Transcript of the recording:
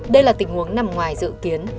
đây là tình huống nằm ngoài dự kiến